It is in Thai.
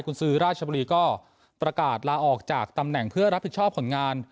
คุณซื้อราชบุรีก็ประกาศลาออกจากตำแหน่งเพื่อรับผิดชอบผลงาน